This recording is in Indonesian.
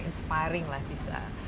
inspiring lah bisa